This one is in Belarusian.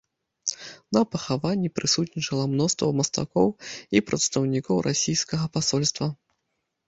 На пахаванні прысутнічала мноства мастакоў і прадстаўнікоў расійскага пасольства.